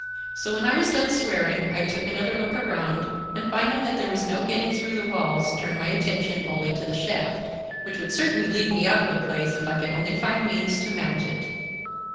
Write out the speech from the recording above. So when I was done swearing I took another look around, and, finding that there was no getting through the walls, turned my attention wholly to the shaft, which would certainly lead me out of the place if I could only find means to mount it.